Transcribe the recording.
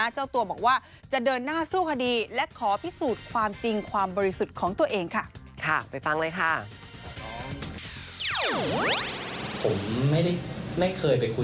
เจ้าตัวบอกว่าจะเดินหน้าสู้คดีและขอพิสูจน์ความจริงความบริสุทธิ์ของตัวเองค่ะ